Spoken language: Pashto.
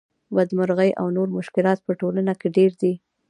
بدمرغۍ او نور مشکلات په ټولنه کې ډېر دي